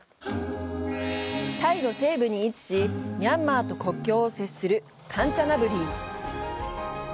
タイの西部に位置し、ミャンマーと国境を接するカンチャナブリー。